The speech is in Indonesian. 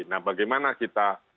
nah bagaimana kita